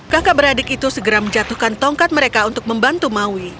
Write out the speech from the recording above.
kakak beradik itu segera menjatuhkan tongkat mereka untuk membantu maui